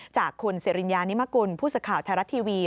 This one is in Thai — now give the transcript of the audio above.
จากคุณสิริญญานิมกุลผู้สื่อข่าวไทยรัฐทีวี